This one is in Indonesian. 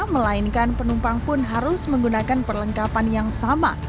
melainkan penumpang pun harus menggunakan perlengkapan yang sama